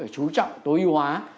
chú trọng tối ưu hóa